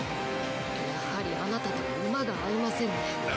やはりあなたとは馬が合いませんね。